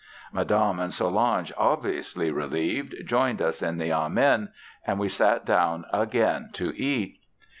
Madame and Solange, obviously relieved, joined us in the Amen, and we sat down again to eat.